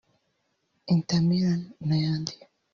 Inter Milan n’ayandi